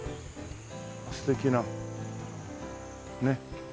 素敵なねっ。